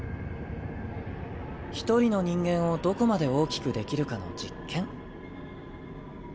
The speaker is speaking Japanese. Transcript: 一人の人間をどこまで大きくできるかの実験。